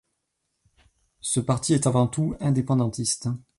Ce parti est avant tout indépendantiste.